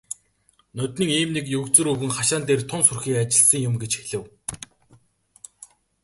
"Ноднин ийм нэг егзөр өвгөн хашаан дээр тун сүрхий ажилласан юм" гэж хэлэв.